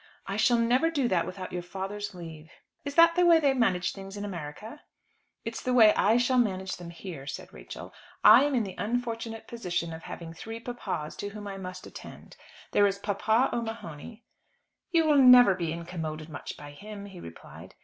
"I shall never do that without your father's leave." "Is that the way they manage things in America?" "It's the way I shall manage them here," said Rachel. "I'm in the unfortunate position of having three papas to whom I must attend. There is papa O'Mahony " "You will never be incommoded much by him," he replied.